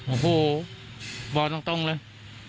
โอ้โหบอกตรงเลย